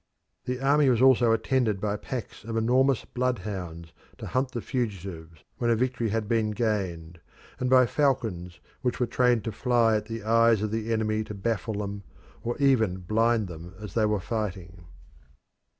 The army was also attended by packs of enormous blood hounds to hunt the fugitives when a victory had been gained, and by falcons which were trained to fly at the eyes of the enemy to baffle them, or even blind them as they were fighting.